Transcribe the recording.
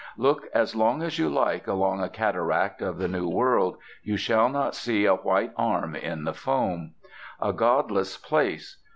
Look as long as you like upon a cataract of the New World, you shall not see a white arm in the foam. A godless place.